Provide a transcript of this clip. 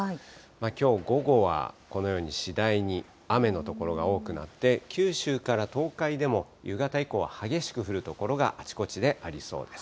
きょう午後はこのように次第に雨の所が多くなって、九州から東海でも夕方以降は激しく降る所があちこちでありそうです。